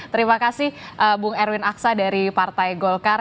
terima kasih bung erwin aksa dari partai golkar